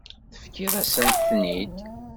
Tefkiḍ-asent-ten-id.